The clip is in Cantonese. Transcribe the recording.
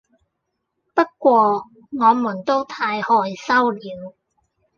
不過我們都太害羞了